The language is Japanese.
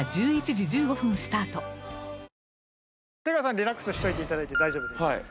リラックスしておいていただいて大丈夫です。